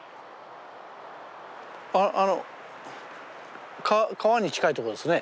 あの川に近いとこですね。